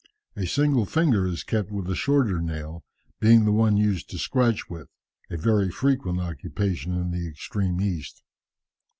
A single finger is kept with a shorter nail, being the one used to scratch with, a very frequent occupation in the extreme East.